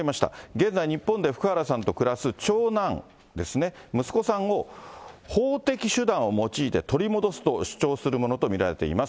現在、日本で福原さんと暮らす長男ですね、息子さんを、法的手段を用いて取り戻すと主張するものと見られています。